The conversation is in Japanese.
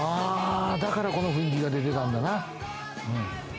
だから、この雰囲気が出てたんだな。